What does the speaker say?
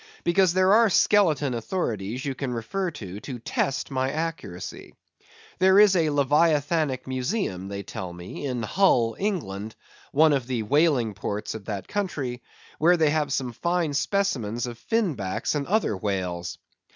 Because there are skeleton authorities you can refer to, to test my accuracy. There is a Leviathanic Museum, they tell me, in Hull, England, one of the whaling ports of that country, where they have some fine specimens of fin backs and other whales.